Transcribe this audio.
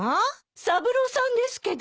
三郎さんですけど。